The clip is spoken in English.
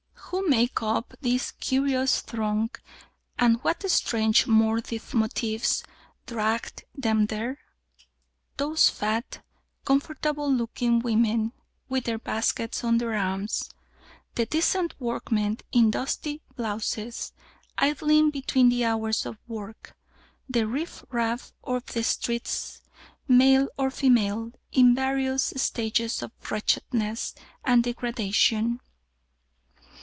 Who make up this curious throng, and what strange morbid motives drag them there? Those fat, comfortable looking women, with their baskets on their arms; the decent workmen in dusty blouses, idling between the hours of work; the riffraff of the streets, male or female, in various stages of wretchedness and degradation?